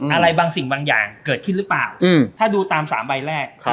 อะไรบางสิ่งบางอย่างเกิดขึ้นหรือเปล่าถ้าดูตาม๓ใบแรก